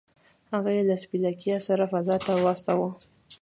هغه یې له سپي لیکا سره فضا ته واستاوه